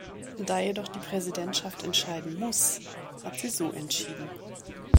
Da jedoch die Präsidentschaft entscheiden muss, hat sie so entschieden.